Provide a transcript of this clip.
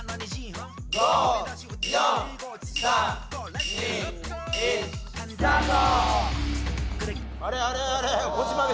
５４３２１。スタート！